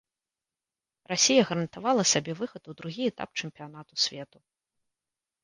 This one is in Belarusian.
Расія гарантавала сабе выхад у другі этап чэмпіянату свету.